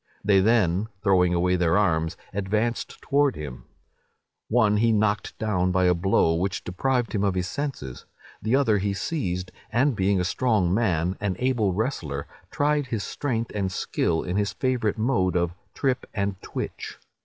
They then, throwing away their arms, advanced towards him: one he knocked down by a blow, which deprived him of his senses; the other he seized, and being a strong man, an able wrestler, tried his strength and skill in his favourite mode of 'trip and twitch.